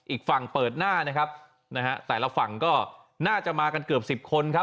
อีกฝั่งเปิดหน้านะครับนะฮะแต่ละฝั่งก็น่าจะมากันเกือบสิบคนครับ